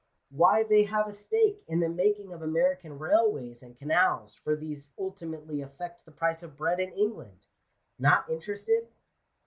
Why they have a stake in the making of American railways and canals, for these ultimately affect the price of bread in England. Not interested